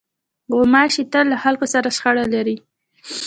غوماشې تل له خلکو سره شخړه لري.